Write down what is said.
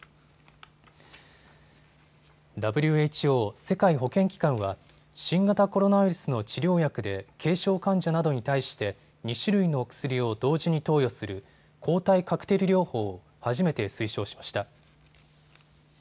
ＷＨＯ・世界保健機関は新型コロナウイルスの治療薬で軽症患者などに対して２種類の薬を同時に投与する抗体カクテル療法を初めて推奨しました。